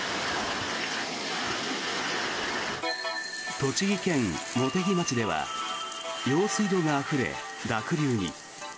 栃木県茂木町では用水路があふれ、濁流に。